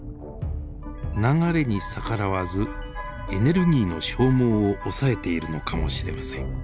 流れに逆らわずエネルギーの消耗を抑えているのかもしれません。